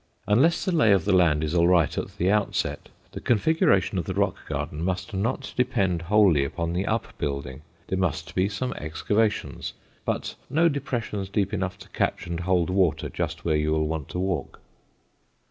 Unless the lay of the land is all right at the outset, the configuration of the rock garden must not depend wholly upon the upbuilding; there must be some excavations, but no depressions deep enough to catch and hold water just where you will want to walk.